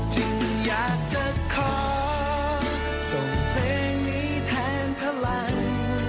จึงอยากจะขอส่งเพลงนี้แทนพลัง